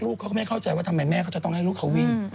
เขาก็ไม่เข้าใจว่าทำไมแม่เขาจะต้องให้ลูกเขาวิ่ง